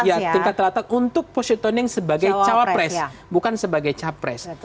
iya tingkat teratas untuk posyitoning sebagai cawapres bukan sebagai capres